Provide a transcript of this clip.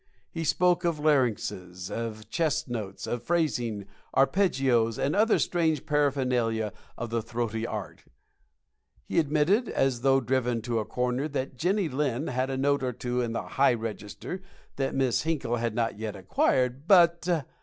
He spoke of larynxes, of chest notes, of phrasing, arpeggios, and other strange paraphernalia of the throaty art. He admitted, as though driven to a corner, that Jenny Lind had a note or two in the high register that Miss Hinkle had not yet acquired but